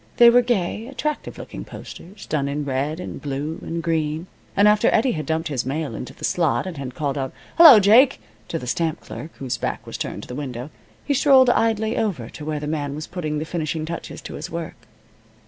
They were gay, attractive looking posters, done in red and blue and green, and after Eddie had dumped his mail into the slot, and had called out, "Hello, Jake!" to the stamp clerk, whose back was turned to the window, he strolled idly over to where the man was putting the finishing touches to his work.